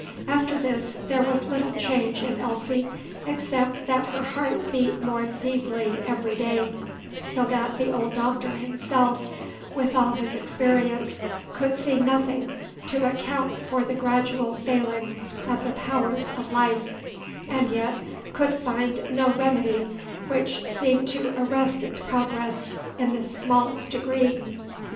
After this there was little change in Elsie, except that her heart beat more feebly every day, so that the old Doctor himself, with all his experience, could see nothing to account for the gradual failing of the powers of life, and yet could find no remedy which seemed to arrest its progress in the smallest degree.